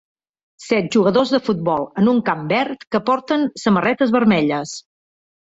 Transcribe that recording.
Set jugadors de futbol en un camp verd que porten samarretes vermelles